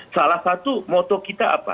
salah satu moto kita apa